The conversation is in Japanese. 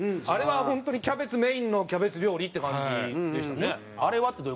あれは本当にキャベツメインのキャベツ料理って感じでしたね。